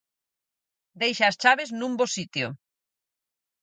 Deixa as chaves nun bo sitio